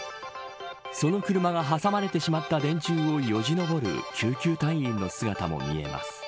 その車が挟まれてしまった電柱をよじ登る救急隊員の姿も見えます。